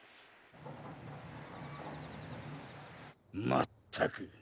まったく。